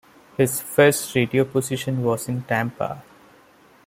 His first radio position was in Tampa.